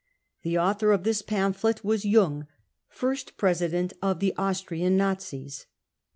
55 The author of this pamphlet was Jung, first president of the Austrian Nazis.